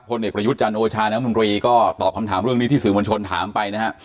พัติเอกประยุจจันทร์โอชาน้ำมือเฮรก็ตอบคำถามเรื่องนี้ที่สื่อมบัญชนถามไปนะฮะ